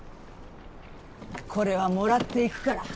これはもらっていくから。